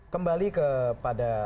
kembali ke pada